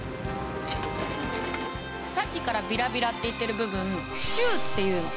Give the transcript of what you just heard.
さっきからビラビラって言ってる部分シューっていうの。